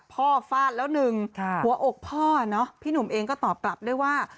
ฟาดแล้วหนึ่งหัวอกพ่อพี่หนุ่มเองก็ตอบกลับด้วยว่า